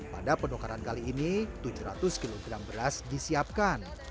pada penukaran kali ini tujuh ratus kg beras disiapkan